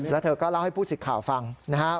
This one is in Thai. แล้วเธอก็เล่าให้ผู้สิทธิ์ข่าวฟังนะครับ